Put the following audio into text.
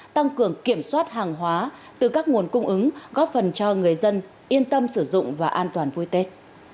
tăng cường kiểm soát hàng hóa từ các nguồn cung ứng góp phần cho người dân yên tâm sử dụng và an toàn vui tết